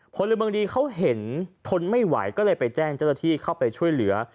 พลเมืองดีเขาเห็นทนไม่ไหวก็เลยไปแจ้งเจ้าหน้าที่เข้าไปช่วยเหลือ